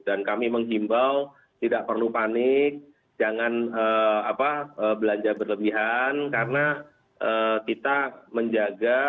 dan kami menghimbau tidak perlu panik jangan belanja berlebihan karena kita menjaga